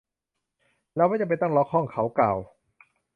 เราไม่จำเป็นต้องล็อคห้อง เขากล่าว